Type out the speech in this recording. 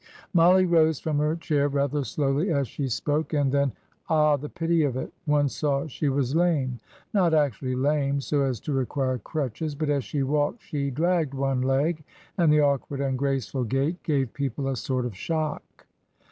Mollie rose from her chair rather slowly as she spoke, and then ah, the pity of it! one saw she was lame not actually lame so as to require crutches; but as she walked she dragged one leg, and the awkward, ungraceful gait gave people a sort of shock.